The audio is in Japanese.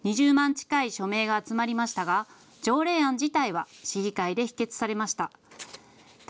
近い署名が集まりましたが条例案自体は市議会で否決されました。